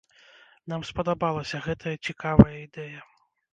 Нам спадабалася гэтая цікавая ідэя.